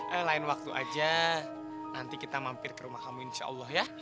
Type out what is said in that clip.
eh lain waktu aja nanti kita mampir ke rumah kamu insya allah ya